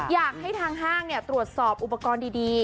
อยากให้ทางห้างตรวจสอบอุปกรณ์ดี